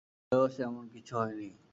বয়স এমন কিছু হয় নি।